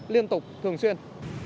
liên tục thường xuyên